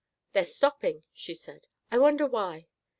"They're stopping," she said. "I wonder why?"